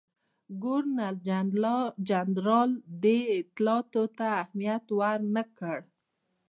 ګورنرجنرال دې اطلاعاتو ته اهمیت ورنه کړ.